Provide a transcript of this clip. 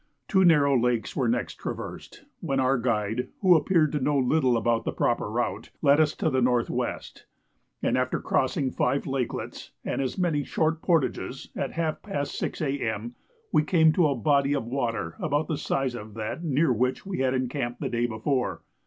Two narrow lakes were next traversed, when our guide, who appeared to know little about the proper route, led us to the N.W.; and after crossing five lakelets, and as many short portages, at half past 6 A.M. we came to a body of water about the size of that near which we had encamped the day before.